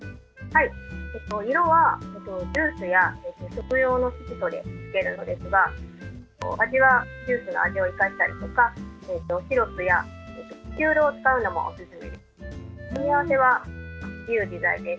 色はジュースや食用の色素でつけるんですが味はジュースの味を生かしたりシロップやリキュールを使うのも、おすすめです。